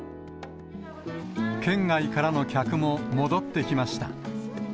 県外からの客も戻ってきました。